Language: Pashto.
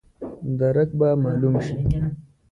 درک به مالوم شي.